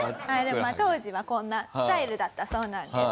まあ当時はこんなスタイルだったそうなんです。